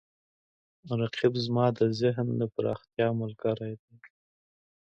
رقیب زما د ذهن د پراختیا ملګری دی